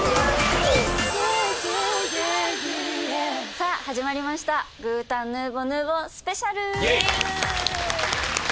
さあ始まりました「グータンヌーボ２スペシャル」！